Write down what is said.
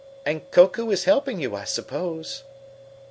"And Koku is helping you, I suppose?"